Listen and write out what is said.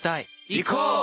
行こう！